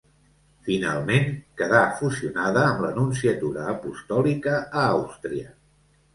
Finalment quedà fusionada amb la Nunciatura Apostòlica a Àustria.